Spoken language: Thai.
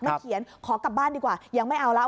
เขียนขอกลับบ้านดีกว่ายังไม่เอาแล้ว